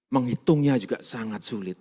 menghitungnya juga sangat sulit